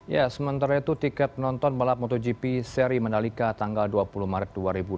ya sementara itu tiket nonton balap motogp seri mandalika tanggal dua puluh maret dua ribu dua puluh